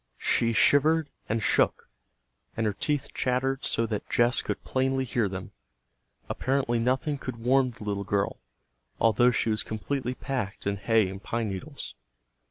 She shivered and shook, and her teeth chattered so that Jess could plainly hear them. Apparently nothing could warm the little girl, although she was completely packed in hay and pine needles.